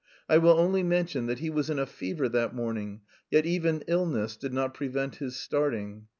I will only mention that he was in a fever that morning, yet even illness did not prevent his starting.